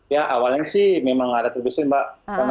ya awalnya sih memang ada produsen mbak